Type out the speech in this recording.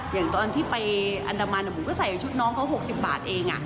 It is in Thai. อย่างตอนที่ไปอันดามันผมก็ใส่ชุดน้องเขา๖๐บาทเอง